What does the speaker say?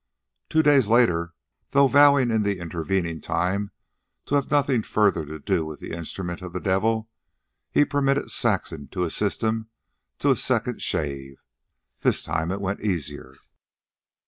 Two days later, though vowing in the intervening time to have nothing further to do with the instrument of the devil, he permitted Saxon to assist him to a second shave. This time it went easier.